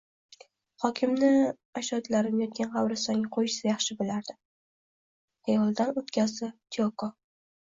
Xokimni ajdodlarim yotgan qabristonga qo`yishsa yaxshi bo`lardi, xayolidan o`tkazdi Tiyoko